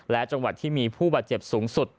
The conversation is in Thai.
และจังหวัดที่มีผู้บาดเจ็บสูงสุด